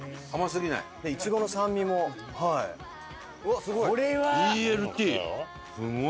イチゴの酸味もはい。